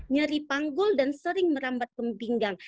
nyeri panggul dan sering merambat ke pinggang